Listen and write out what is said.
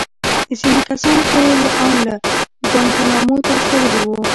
ځينې کسان خو يې ان گوانټانامو ته استولي وو.